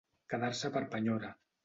Quedar-se per penyora.